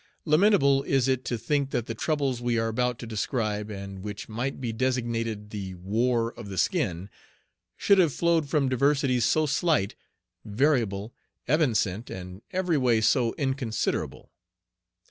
Lamentable is it to think that the troubles we are about to describe, and which might be designated the war of the skin, should have flowed from diversities so slight, variable, evanescent, and every way so inconsiderable.